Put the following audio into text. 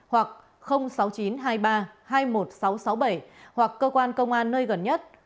hoặc sáu mươi chín hai mươi ba hai mươi một nghìn sáu trăm sáu mươi bảy hoặc cơ quan công an nơi gần nhất